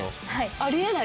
あり得ない。